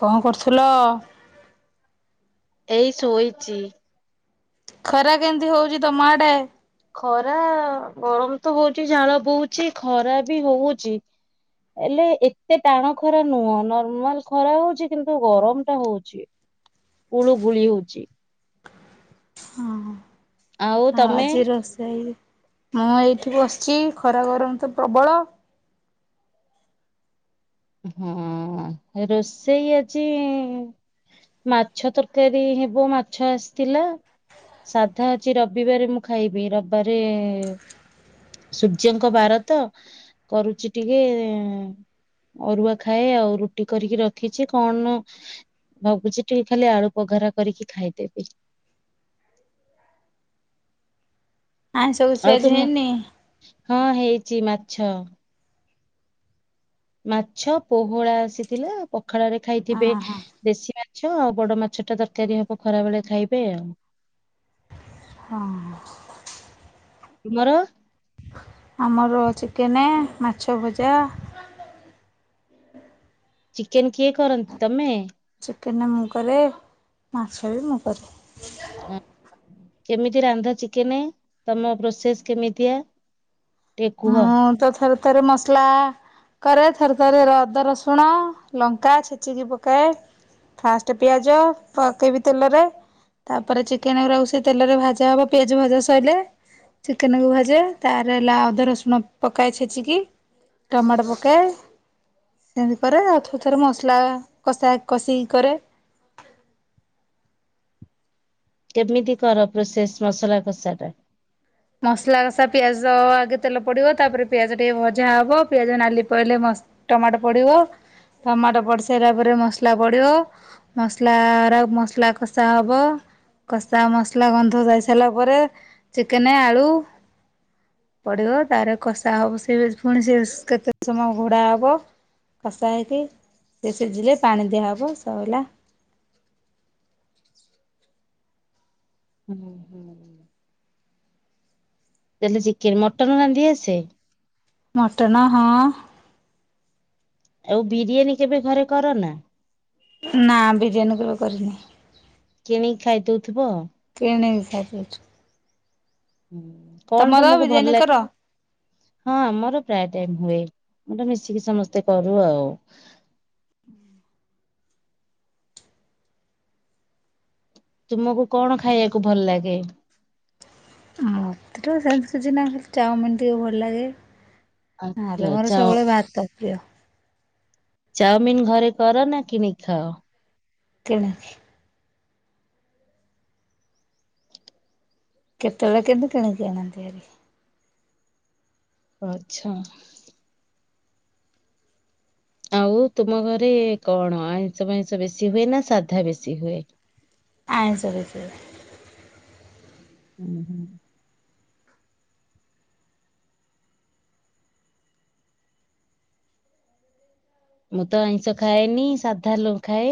କଣ୍ କରୁଥିଲ? ଏଇ ଶୋଇଚି। ଖରା କେମିତି ହଉଚି ତମ ଆଡେ? ଖରା ଗରମ୍ ତ ହଉଚି ଝାଳ ବୋହୁଚି ଖରା ବି ହଉଚି। ହେଲେ ଏତେ ଟାଣ ଖରା ନୁହଁ ନର୍ମାଲ୍ ଖରା ହଉଚି କିନ୍ତୁ ଗରମ୍ ଟା ହଉ ଚି-ଗୁଳୁ ଗୁଳି ହଉଚି। ହଁ -ହଁ ଆଉ ଆଜି ରୋଷଇ? ମୁଁ ଏଇଠିକୁ ବସିଚି ଖରା ଗରମ୍ ତ ପ୍ରବଳ। ହଁ ରୋଷେଇ ଆଜି ମାଛ ତରକାରୀ ହେବ ମାଛ ଆସିଥିଲା ସାଧା ଆଜି ରବିବାରେ ମୁଁ ଖାଇବି ରବିବାରେ ସୂର୍ଯ୍ୟଙ୍କ ବାର ତ କରୁଚି ଟିକେ ଅରୁଆ ଖାଏ ଆଉ ରୁଟି କରିକି ରଖିଛି କଣ ଭାବୁଛି ଟିକେ ଖାଲି ଆଳୁ ପଘରା କରିକି ଖାଇଦେବି ଆଇଁଷ ଆଜି ଆଉ ତ କିଛି ମୁଁ ହେଇନି? ହଁ ହେଇଛି ମାଛ ମାଛ ପୋହଳା ଆସିଥିଲା ପଖାଳ ରେ ହଁ ଖାଇଥିବେ ହଁ ଦେଶୀ ମାଛ ଆଉ ବଡ ମାଛ ଟା ତରକାରୀ ହବ ଖରାବେେଳେ ଖାଇବେ ଆଉ ହଁ ତମର ଆମର ଚିକେନ ମାଛ ଭଜା ଚିକେନ କିଏ କରନ୍ତି ତମେ ଚିକେନ ମୁଁ କରେ ମାଛ ବି ମୁଁ କରେ। ଆଁ କେମିତି ରାନ୍ଧ ଚିକେନ ତମ ପ୍ରୋସେସ କେମିତିଆ? ଟିକେ କୁହ? ମୁଁ ତ ଥରେ ଥରେ ମସଲା କରେ ଥରେ ଥରେ ଅଦା ରସୁଣ ଲଙ୍କା ଛେଚିକି ପକାଏ। ଫାଷ୍ଟ ପିଆଜ ପକେଇବି ତେଲରେ ତାପରେ ଚିକେନ ଗୁରା ସେ ତେଲରେ ଭଜା ହବ ପିଆଜ ଭଜା ସଇଲେ ଚିକେନକୁୁ ଭାଜେ ତାପର ଅଦା ରସୁଣ ପକାଏ ଛେଚିକି ଟମାଟ ପକାଏ ସେମିତି କରେ ଆଉ ଥରେ ଥରେ ମସଲା କଷା କଷିକି କରେ। କେମିତି କର ପ୍ରୋସେସ ମସଲା କଷା ଟା? ମସଲା କଷା ପିଆଜ ଆଗେ ତେଲ ପଡ଼ିବ ତାପରେ ପିଆଜ ଟିକେ ଭଜା ହବ ପିଆଜ ନାଲି ପଇଲେ ମସ୍ ଟମାଟୋ ପଡିବ ଟମାଟୋ ପଡି ସାରିଲା ପରେ ମସଲା ପଡିବ ମସଲା ର ମସଲା କଷା ହବ କଷା ମସଲା ଗନ୍ଧ ଯାଇ ସାରିଲା ପରେ ଚିକେନ ଆଳୁ ପଡିବ ତାର କଷା ହବ ସେ ପୁଣି ସେ କେତେ ସମୟ ଘୋଡା ହବ କଷା ହେଇକି ସେ ସିଝିଲେ ପାଣି ଦିଆହେବ ସଇଲା ହୁଁ ହୁଁଁ ଖାଲି ଚିକେନ ମଟନ ରାନ୍ଧି ଆସେ? ମଟନ ହଁ ଆଉ ବିରିୟାନୀ କେବେ ଘରେ କର ନା? ନା ବିରିୟାନୀ କେବେ କରିନି। କିଣିକି ଖାଇଦଉଥିବ? କିଣିକି ଖାଇ ଦଉଚୁ। ହୁଁ କଣ ତମର ତମକୁ ବିରିୟାନୀ ଭଲ ଲାଗେ? କର? ହଁ ମୋର ପ୍ରାୟ ଟାଇମ୍ ହୁଏ ଗୋଟେସମିଶିକି ସମସ୍ତେ କରୁ ଆଉ। ତୁମକୁ କଣ ଖାଇବାକୁ ଭଲ ଲାଗେ? ମତେ ତ ସେମିତି କିଛି ନାଇଁ ଖାଲି ଚାଓମିନ ଟିକେ ଭଲ ଲାଗେ। ଆଚ୍ଛା ନହେଲେ ମୋର ଚାଓ ସବୁବେଳେ ଭାତ ପ୍ରିୟ। ଚାଓମିିନ ଘରେ କର ନା କିଣିକି ଖାଅ? କିଣେ। କେତେବେଳେ କେମତି କିଣିକି ଆଣନ୍ତି ଭାରି। ଆଚ୍ଛା! ଆଉ ତୁମ ଘରେ କଣ ଆଇଁଷ ଫାଇଁଷ ବେଶି ହୁଏ ନା ସାଧା ବେଶି ହୁଏ? ଆଇଁଷ ବେଶୀ ହୁଏ। ଉଁ ହୁଁ। ମୁଁ ତ ଆଇଁଷ ଖାଏନି, ସାଧା ହେଲେ ଖାଏ।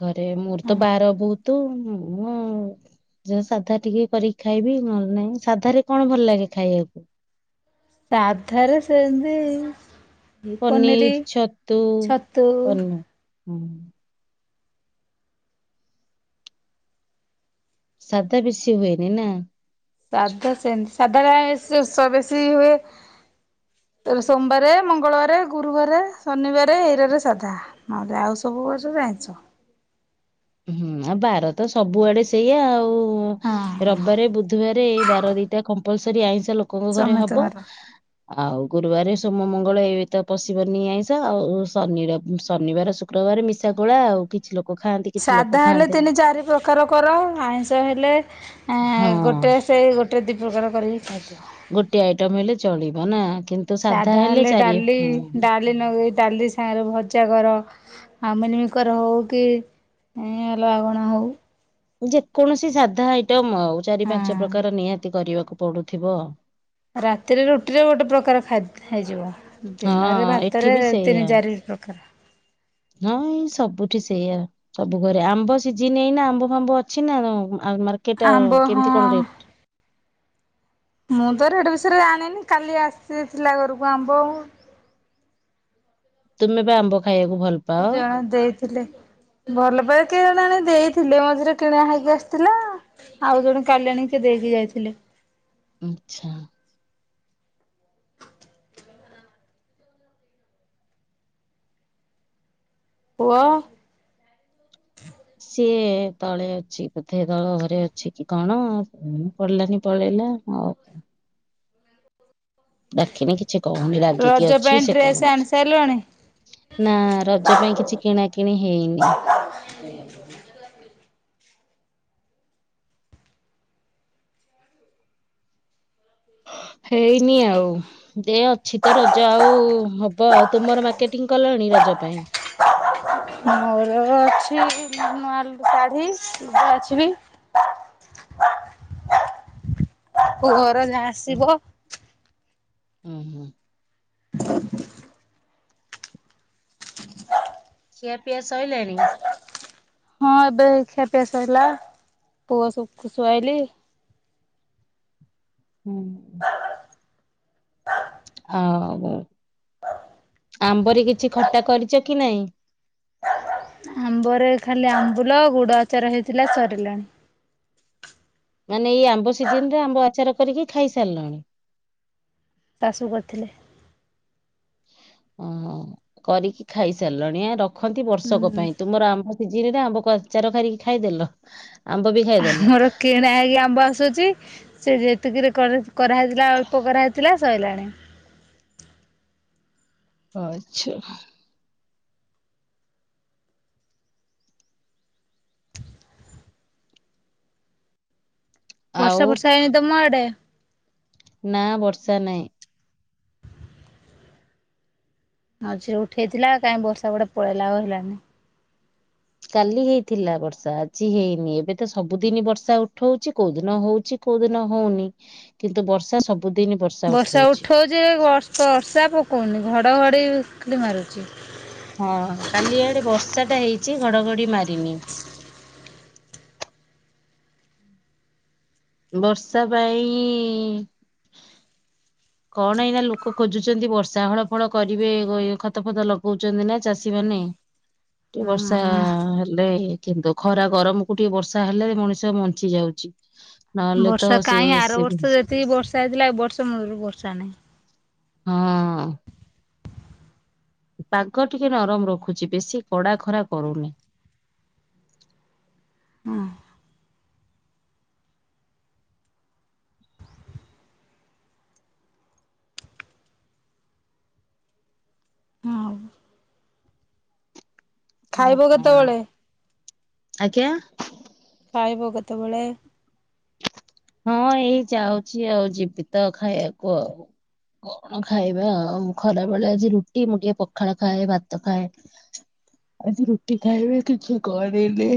ଘରେ ମୋର ତ ହଁ। ବାର ବହୁତ। ମୁଁ ଯୋଉ ସାଧା ଟିକେ କରିକି ଖାଇବି ନହେଲେ ନାଇଁ। ସାଧାରେ କଣ ଭଲ ଲାଗେ ଖାଇବାକୁ? ସାଧାରେ ସେନ୍ତି ପନିର, ଛତୁ। ଛତୁ [unintelligible] ସାଧା ବେଶି ହୁଏନି ନା? ସାଧା ସେମିତି ସାଧା [unintelligible] ବେଶୀ ହୁଏ ତ ସୋମବାରେ, ମଙ୍ଗଳବାରେ, ଗୁରୁବାରେ, ଶନିବାରେ ଏଇରାରେ ସାଧା। ନହେଲେ ଆଉ ସବୁ ବାରରେ ଆଇଁଷ। ହୁଁ, ଆଉ ବାର ତ ସବୁଆଡେ ସେଇଆ ଆଉ। ର ହଁ ବିବାରେ, ବୁଧବାରେ ଏଇ ବାର ଦିଟା କମ୍ପଲସରି ଆଇଁଷ ଲୋକଙ୍କ ଘରେ ହବ। ସମସ୍ତଙ୍କର। ଆଉ ଗୁରୁବାରେ, ସୋମ, ମଙ୍ଗଳ ଏଇ ତ ପଶିବନି ଆଇଁଷ ଆଉ ଶନି, ରବି, ଶନିବାର, ଶୁକ୍ କ୍ରବାର ମିଶା ଗୋଳା ଆଉ, କିଛି ଲୋକ ଖାଆନ୍ତି କିଛି ଲୋକ ସାଧା ହେଲେ ଖାଆନ୍ତିନି ତିନି, ଚାରି ପ୍ର କାର କର, ଆଇଁଷ ହେଲେ ହଁ। ଗୋଟେ ସେଇ ଗୋଟେ ଦୁଇ ପ୍ରକାର କରିକି ଖାଇଦିଅ। ଗୋଟେ ଆଇଟମ ହେଲେ ଚଳିବ ନା? କିନ୍ତୁ ସାଧା ହେଲେ ଡାଲି, ଡାଲି ନଗେଇ ଡାଲି ସାଙ୍ଗରେ ଭଜା କର। ଆଉ ମିଲମିକର ହଉ କି ଅଲଗା କଣ ହଉ। ଯେକୌଣସି ସାଧା ଆଇଟମ ଆଉ ଚାରି ପାଞ୍ଚ ହଁ ପ୍ରକାର ନିହାତି କରିବାକୁ ପଡୁଥିବ। ରାତିରେ ରୁଟିରେ ଗୋଟେ ପ୍ରକାର ଖା ହେଇଯିବ। ଦିନରେ ହଁ ଏଠି ଭାତରେ ବି ତିନି ସେଇଆ। ଚାରି ପ୍ର କାର। ହଁ, ଏଇ ସବୁଠି ସେଇଆ। ସବୁ ଘରେ ଆମ୍ବ ସିଜିନ ଏଇନା ଆମ୍ବ-ଫାମ୍ବ ଅଛି ନା, ମାର୍କେଟ ଆମ୍ବ ହଁ କେମିତି କଣ ରେଟ୍? ମୁଁ ତ ଏଟେ ବିଷୟରେ ଜାଣିନି, କାଲି ଆସିଥିଲା ଘରକୁ ଆମ୍ବ। ତୁମେ ପା ଆମ୍ବ ଖାଇବାକୁ ଭଲ ପାଅ ଜଣେ ଦେଇ ଥିଲେ। ଭଲ ପାଏ କିଏ ଜଣେ ଆଣିଲି ଦେଇଥିଲେ। ମଝିରେ କିଣା ହେଇକି ଆସିଥିଲା। ଆଉ ଜଣେ କାଲି ଆଣିକି କିଏ ଦେଇକି ଯାଇଥିଲେ। ଆଚ୍ଛା। [inaudible] [inaudible] [inaudible] ରଜ ପାଇଁ ଡ୍ରେସ୍ ଆଣି ସାରିଲଣି? [inaudible] [inaudible] [inaudible] [inaudible] [inaudible] ହୁଁ [inaudible] [inaudible] [inaudible] [inaudible] [inaudible] [inaudible] ହଉ ଆମ୍ବରି କିଛି ଖଟା କରିଛ କି ନାଇଁ? ଆମ୍ବରେ ଖାଲି ଆମ୍ବୁଲ ଗୁଡ ଆଚାର ହେଇଥିଲା ସରିଲାଣି। ମାନେ ଏଇ ଆମ୍ବ ସିଜନ ରେ ଆମ୍ବ ଆଚାର କରିକି ଖାଇସାରିଲାଣି? ଶାଶୁ କରିଥିଲେ। ଓହୋ କରିକି ଖାଇସାରିଲାଣିଆ ରଖ ରଖନ୍ତି ବର୍ଷକ ହୁଁ। ପାଇଁ ତୁମର ଆମ୍ବ ସିଜିିନ ରେ ଆମ୍ବ ଆଚାର କରିକି ଖାଇଦେଲ ଆମ୍ବ ବି ଖାଇଦଲ। ଆମର କିଣା ହେଇକି ଆମ୍ବ ଆସୁଛି। ସେ ଯେତିକିରେ କରାହେଇଥିଲା ଅଳ୍ପ କରାହେଇଥିଲା ସରିଲାଣି। ଆଛା ଆଉ ବର୍ଷା ବର୍ଷା ହେଇନି ତମ ଆଡେ? ନା ବର୍ଷା ନାହିଁ। ମଝିରେ ଉଠେଇଥିଲା କାଇଁ ବର୍ଷା କୁଆଡେ ପଳେଇଲା ଆଉ ହେଲାନି। କାଲି ହେଇଥିଲା ବର୍ଷା ଆଜି ହେଇନି ଏବେ ତ ସବୁଦିନ ବର୍ଷା ଉଠଉଛି କୋଉଦିନ ହଉଛି। କୋଉ ଦିନ ହଉନି କିନ୍ତୁ ବର୍ଷା ସବୁ ତ [unintelligible] ବର୍ଷ ବର୍ଷା ଉଠଉଛି ବର୍ଷା ପକଉନି ଘଡଘଡି ମାରୁଛି। ହଁ କାଲି ଆଡେ ବର୍ଷାଟା ହେଇଛି ଘଡଘଡି ମାରିନି। [unintelligible] ବର୍ଷା ପାଇଁ ଇ-ଇ କଣ ଏଇଁନା ଲୋକ ଖୋଜୁଛନ୍ତି ବର୍ଷା। ହଳ ଫଳ କରିବେ ଖତ ଫତ ଲଗଉଛନ୍ତି ନା ଚାଷୀମାନେ। କେ ବର୍ଷା ହଁ ଲେ କିନ୍ତୁ ଖରା ଗରମକୁୁ ଟିକେ ବର୍ଷା ହେଲେ ମଣିଷ ବଞ୍ଚି ଯାଉଛି। ନହେଲେ ତ ବର୍ଷା ସେ କାଇଁ ଆର ସେ ବର୍ଷ ଯେତିକି ବର୍ଷା ହେଇଥିଲା ଏ ବର୍ଷ ମୁଳୁ ରୁ ବର୍ଷା ନାହିଁ। ହଁ। ପାଗ ଟିକେ ନରମ ରଖୁଛି, ବେଶୀ କଡା ଖରା କରୁନି। ହଁ। ହଁ। ହଁ ଖାଇବ କଣ କେତେବେଳେ? ଆଜ୍ଞା। ଖାଇବ କେତେବେଳେ? ହଁ, ଏଇ ଯାଉଛି ଆଉ ଯିବି ତ ଖାଇବାକୁ ଆଉ। କଣ ଖାଇବା ଆଉ ଖରା ବେଳେ ଆଜି ରୁଟି। ମୁଁ ଟିକେ ପଖାଳ ଖାଏ ଭାତ ଖାଏ। ଆଜି ରୁଟି ଖାଇବେ କିଛି କରିନି।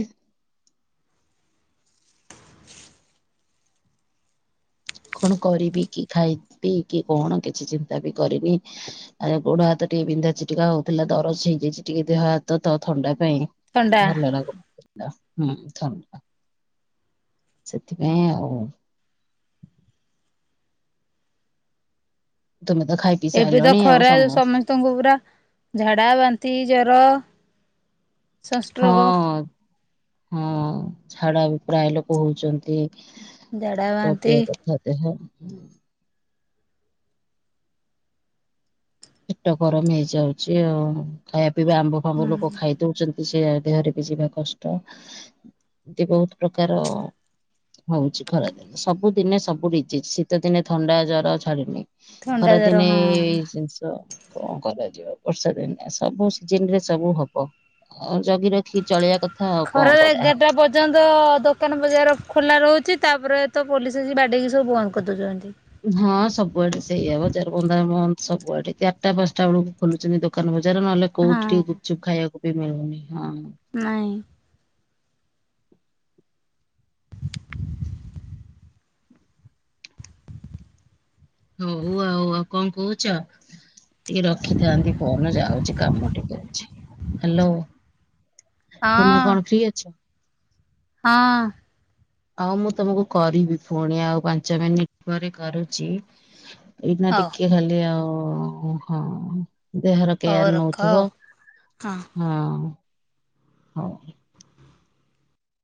କଣ କରିବି କି ଖାଇବି କି କଣ, କିଛି ଚିନ୍ତା ବି କରିନି। ଆଜ୍ଞା ଗୋଡ ହାତ ଟିକେ ବିନ୍ଧା ଛିଟିକା ହଉଥିଲା, ଦରଜ ହେଇଯାଇଛି ଟିକେ ଦେହ ହାତ ତ ଥଣ୍ଡା ପାଇଁ। ଥଣ୍ଡା ଭଲ ଲାଗୁନି ହୁଁ ଥଣ୍ଡା ସେଥିପାଇଁ ଆଉ। ତମେ ତ ଖାଇ ପିଇ ଏବେ ତ ସାରିଲଣି ଆଉ ଖରା, ସମସ୍ତ ସମସ୍ତଙ୍କୁ ପୁରା ଝାଡା, ବାନ୍ତି, ଜର। ସଂଷ୍ଟ୍ରୋକ ହଁ ହଁ ଝାଡା ବି ପ୍ରାୟ ଲୋକ ହଉଛନ୍ତି। ଝାଡ଼ା ଟ ବାନ୍ତି କିିଆ କଥା ଦେହ। ପେଟ ଗରମ ହେଇଯାଉଛି ଆଉ ଖାଇବା ପିଇବା ଆମ୍ବ ଫାମ୍ବ ହୁଁ। ଲୋକ ଖାଇ ଦଉଛ ସେ ଦେହରେ ବି ଯିବା କଷ୍ଟ। ଏମତି ବହୁତ ପ୍ରକାର ହଉଛି ଖରାଦିନେ, ସବୁ ଦିନେ ସବୁ ଡିଜିଚି ଶୀତ ଦିନେ ଥଣ୍ଡା, ଜର ଛାଡୁନି। ଥଣ୍ଡା ଜର ଖରାଦିନେ ହଁ। କଣ କରାଯିବ ବର୍ଷା ଦିନେ, ସବୁ ସିଜିନ୍ ରେ ସବୁ ହବ। ଜଗି ରଖ ଖି ଚଳେଇବା କଥା ଆଉ କଣ ଖରାରେ କରାହବ। ଏଗାରଟା ପର୍ଯ୍ୟନ୍ତ ଦୋକାନ ବଜାର ଖୋଲା ରହୁଛି, ତାପରେ ତ ପୋଲିସ ଆସି ବାଡ଼େଇକି ସବୁ ବନ୍ଦ କରିଦେଉଛନ୍ତି। ହଁ ସବୁଆଡେ ସେଇଆ ବଜାର ବନ୍ଧା ବନ୍ଦ ସବୁଆଡେ, ଚାରିଟା ପାଞ୍ଚଟା ବେଳକୁ ଖୋଲୁଛନ୍ତି ଦୋକାନ ବଜାର ନହେଲେ କୋଉଠିି ଟିକେ ହଁ ଗୁପଚୁପ ଖାଇବାକୁ ବି ମିଳୁନି। ହଁ। ନାଇଁ। ହଉ ଆଉ କଣ କହୁଛ? ଟିକେ ରଖିଥାନ୍ତି ଫୋନ ଯାଉଛି କାମ ଟିକେ ଅଛି। ହ୍ୟାଲୋ ତମେ ହଁ କଣ ଫ୍ରୀ ଅଛ? ହଁ। ଆଉ ମୁଁ ତମକୁ କରିବି ପୁଣି ଆଉ ପାଞ୍ଚ ମିନିଟ ପରେ କରୁଛି। ଏଇନା ହଉ ଟିକେ ଖାଲି ଆଉ ହଁ ଦେହର ହଉ କେୟାର ରଖ ଆଉ ନଉଥିବ। ହଁ। ହଁ ହଉ।